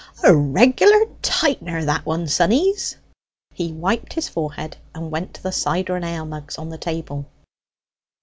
"A regular tightener, that one, sonnies!" He wiped his forehead, and went to the cider and ale mugs on the table.